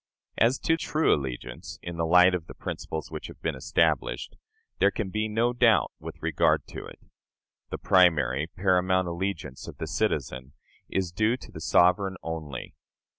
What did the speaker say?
As to true allegiance, in the light of the principles which have been established, there can be no doubt with regard to it. The primary, paramount allegiance of the citizen is due to the sovereign only.